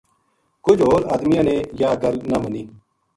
کُج ہور ادمیاں نے یاہ گل نہ مَنی